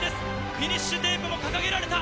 フィニッシュテープも掲げられた。